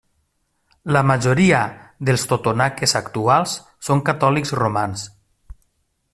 La majoria dels totonaques actuals són catòlics romans.